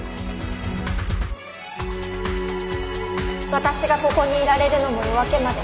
私がここにいられるのも夜明けまで。